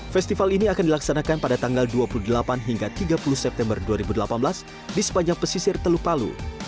festival ini akan dilaksanakan pada tanggal dua puluh delapan hingga tiga puluh september dua ribu delapan belas di sepanjang pesisir teluk palu